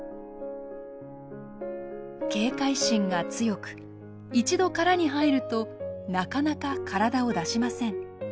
警戒心が強く一度殻に入るとなかなか体を出しません。